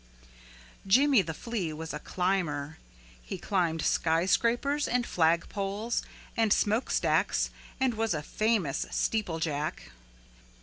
Jimmy the Flea was a climber. He climbed skyscrapers and flagpoles and smokestacks and was a famous steeplejack.